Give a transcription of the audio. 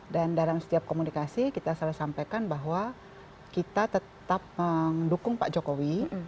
dan dalam setiap komunikasi kita selalu sampaikan bahwa kita tetap mendukung pak jokowi